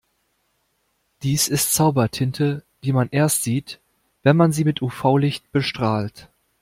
Dies ist Zaubertinte, die man erst sieht, wenn man sie mit UV-Licht bestrahlt.